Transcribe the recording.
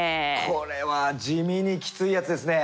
これは地味にきついやつですね。